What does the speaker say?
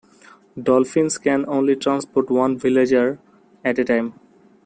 Dolphins can only transport one villager at a time.